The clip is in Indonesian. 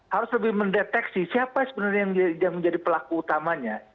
harus lebih mendeteksi siapa sebenarnya yang menjadi pelaku utamanya